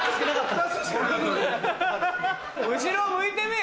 後ろ向いてみ。